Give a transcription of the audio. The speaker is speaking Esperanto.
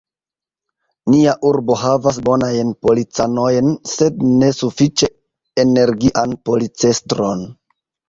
Nia urbo havas bonajn policanojn, sed ne sufiĉe energian policestron.